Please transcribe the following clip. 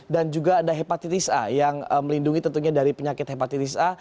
dan juga ada hepatitis a yang melindungi tentunya dari penyakit hepatitis a